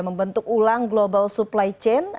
membentuk ulang global supply chain